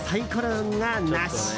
運がなし。